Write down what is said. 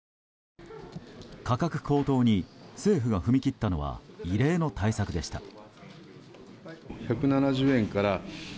価格高騰に政府が踏み切ったのは異例の対策でした。